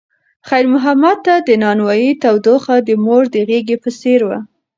خیر محمد ته د نانوایۍ تودوخه د مور د غېږې په څېر وه.